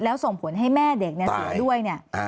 แล้วส่งผลให้แม่เด็กเสียด้วยเนี่ย